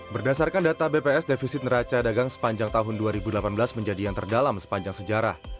berdasarkan data bps defisit neraca dagang sepanjang tahun dua ribu delapan belas menjadi yang terdalam sepanjang sejarah